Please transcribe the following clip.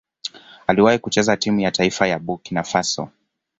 Aliwahi kucheza timu ya taifa ya Burkina Faso.